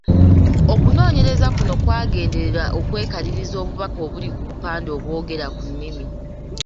Okunoonyereza kuno kwagenderera okwekaliriza obubaka obuli ku bupande obwogera ku nnimi.